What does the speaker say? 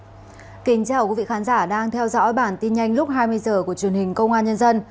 xin kính chào quý vị khán giả đang theo dõi bản tin nhanh lúc hai mươi h của truyền hình công an nhân dân